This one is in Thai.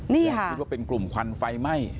อยากยินว่าเป็นกลุ่มฟันไฟไหม้